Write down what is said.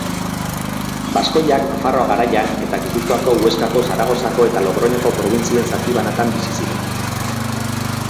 Baskoiak Nafarroa Garaian eta Gipuzkoako, Huescako, Zaragozako eta Logroñoko probintzien zati banatan bizi ziren.